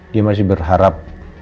dia masih berharap